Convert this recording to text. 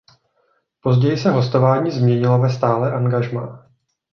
Později se hostování změnilo ve stálé angažmá.